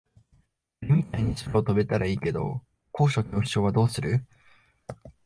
鳥みたいに空を飛べたらいいけど高所恐怖症はどうする？